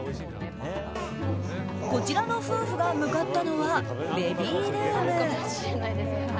こちらの夫婦が向かったのはベビールーム。